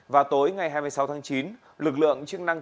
vào tối ngày hai mươi sáu tháng chín lực lượng chức năng